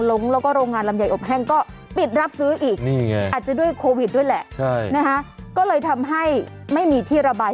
ลงแล้วก็โรงงานลำไยอบแห้งก็ปิดรับซื้ออีกอาจจะด้วยโควิดด้วยแหละก็เลยทำให้ไม่มีที่ระบาย